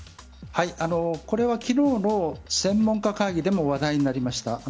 これは昨日の専門家会議でも話題になりました。